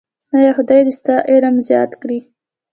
ایا خدای دې ستاسو علم زیات کړي؟